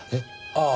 ああ。